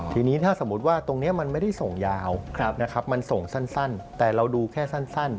ทีนี้ถ้าสมมุติว่าตรงนี้มันไม่ได้ส่งยาวนะครับมันส่งสั้นแต่เราดูแค่สั้น